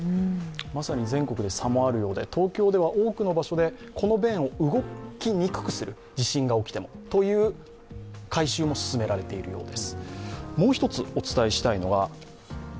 まさに全国で差もあるようで、東京では多くの場所で地震が起きてもこの弁を動きにくくする改修も進められているようです